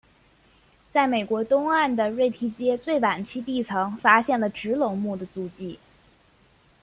在美国东岸的瑞提阶最晚期地层发现了植龙目的足迹。